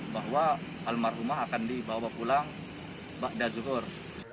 bahwa almarhumah akan dibawa pulang bakda zuhur